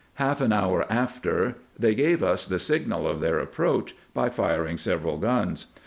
Half an hour after they gave us the signal of their approach, by firing several guns.